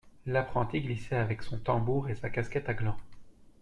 L'apprenti glissait avec son tambour et sa casquette à gland.